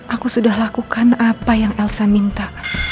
aku sudah lakukan apa yang elsa minta